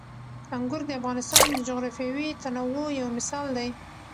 انګور د افغانستان د جغرافیوي تنوع یو مثال دی.